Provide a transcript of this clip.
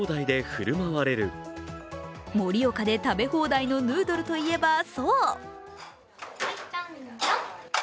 盛岡で食べ放題のヌードルをいえば、そう。